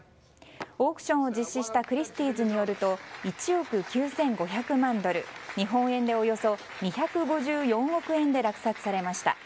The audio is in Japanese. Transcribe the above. オークションを実施したクリスティーズによると１億９５００万ドル日本円でおよそ２５４億円で落札されました。